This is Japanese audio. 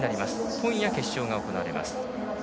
今夜、決勝が行われます。